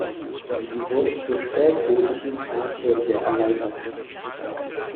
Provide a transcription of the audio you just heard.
Sie wurde zur spätgotischen Pfarrkirche erweitert.